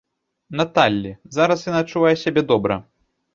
Наталлі, зараз яна адчувае сябе добра.